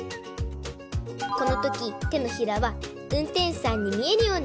このときてのひらはうんてんしゅさんにみえるように！